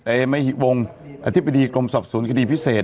เอเมฮิกวงอธิบดีกรมสอบสูญคดีพิเศษ